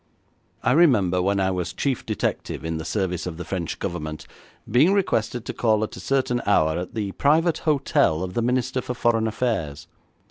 I remember while I was chief detective in the service of the French Government being requested to call at a certain hour at the private hotel of the Minister for Foreign Affairs.